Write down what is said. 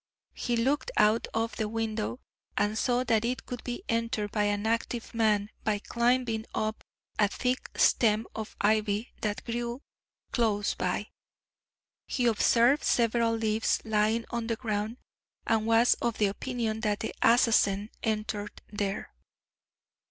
He looked out of the window, and saw that it could be entered by an active man by climbing up a thick stem of ivy that grew close by. He observed several leaves lying on the ground, and was of the opinion that the assassin entered there.